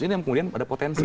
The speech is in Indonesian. ini kemudian ada potensi